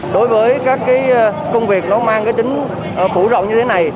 đối với các cái công việc nó mang cái tính phủ rộng như thế này